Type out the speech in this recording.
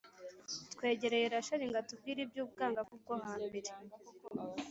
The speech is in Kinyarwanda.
twegereye rachel ngo atubwire iby’ubwangavu bwo hambere